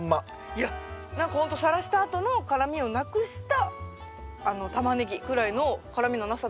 いや何かほんとさらしたあとの辛みをなくしたタマネギぐらいの「辛みのなさ」